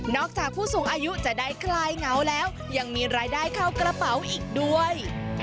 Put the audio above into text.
จากผู้สูงอายุจะได้คลายเหงาแล้วยังมีรายได้เข้ากระเป๋าอีกด้วย